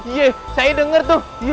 iya saya denger tuh